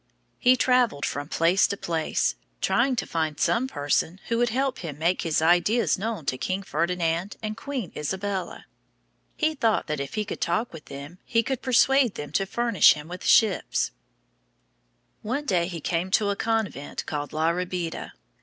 He traveled from place to place, trying to find some person who would help him make his ideas known to King Ferdinand and Queen Isabella. He thought that if he could talk with them he could persuade them to furnish him with ships. [Illustration: Convent of La Rabida.] One day he came to a convent called La Rabida.